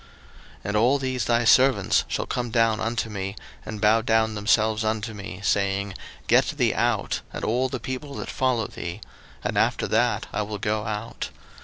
02:011:008 And all these thy servants shall come down unto me, and bow down themselves unto me, saying, Get thee out, and all the people that follow thee: and after that I will go out.